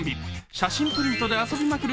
写真プリントで遊びまくる